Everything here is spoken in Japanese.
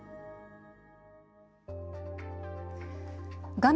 画面